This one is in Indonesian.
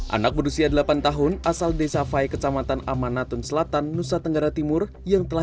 anak berusia delapan tahun asal desa fai kecamatan amanatun selatan nusa tenggara timur yang telah